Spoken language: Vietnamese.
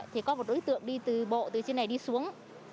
thì có một đối tượng đi từ bộ từ trên này đi xuống